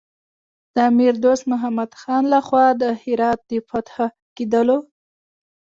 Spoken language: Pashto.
د امیر دوست محمد خان له خوا د هرات د فتح کېدلو.